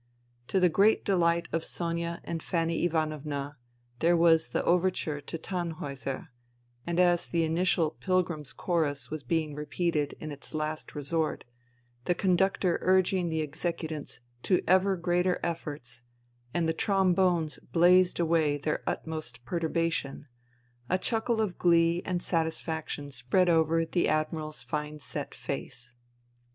To the great dehght of Sonia and Fanny Ivanovna, there was the Overture to Tannhduser ; and as the initial pilgrims* chorus was being repeated in its last resort, the conductor urging the executants to ever greater efforts, and the trombones blazed away their utmost perturbation, a chuckle of glee and satisfaction spread over the Admiral's fine set face.